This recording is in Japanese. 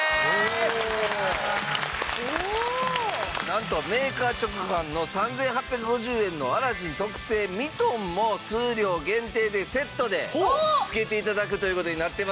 なんとメーカー直販の３８５０円のアラジン特製ミトンも数量限定でセットでつけて頂くという事になってますんで。